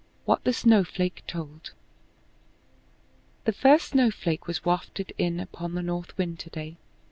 WHAT THE SNOWFLAKE TOLD The first snowflake was wafted in upon the north wind to day.